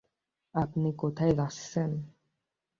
আপনি কোথায় যাচ্ছেন?